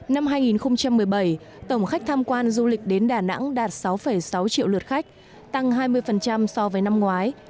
năm hai nghìn một mươi bảy tổng khách tham quan du lịch đến đà nẵng đạt sáu sáu triệu lượt khách tăng hai mươi so với năm ngoái